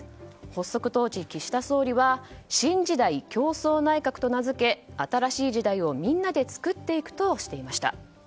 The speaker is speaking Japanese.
発足当時、岸田総理は新時代共創内閣と名付け新しい時代をみんなで作っていくとしていました。